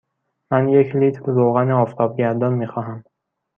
من یک لیتر روغن آفتابگردان می خواهم.